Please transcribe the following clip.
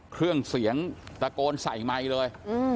เครื่องเสียงตะโกนใส่ไมค์เลย